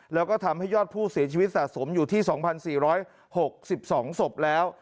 แล้วก็ทำให้ยอดผู้เสียชีวิตสะสมอยู่ที่๒๔๖๒ศพแล้ว